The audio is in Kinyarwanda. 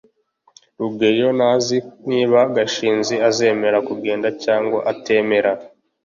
rugeyo ntazi niba gashinzi azemera kugenda cyangwa kutemera